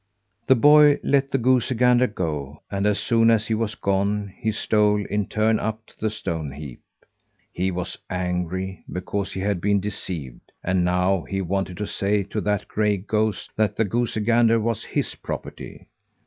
The boy let the goosey gander go; and as soon as he was gone, he stole, in turn, up to the stone heap. He was angry because he had been deceived, and now he wanted to say to that gray goose that the goosey gander was his property.